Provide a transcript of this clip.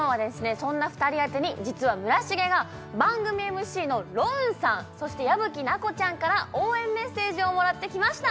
そんな２人宛てに実は村重が番組ＭＣのロウンさんそして矢吹奈子ちゃんから応援メッセージをもらってきました